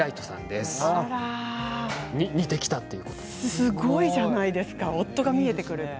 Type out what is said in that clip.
すごいじゃないですか夫が見えてくるって。